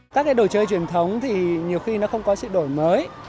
các cái đồ chơi truyền thống thì nhiều khi nó không có sự đổi mới